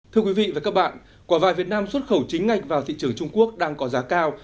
thưa quý vị và các bạn quả vải việt nam xuất khẩu chính ngạch vào thị trường trung quốc đang có giá cao